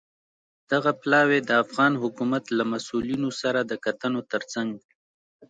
دغه پلاوی د افغان حکومت له مسوولینو سره د کتنو ترڅنګ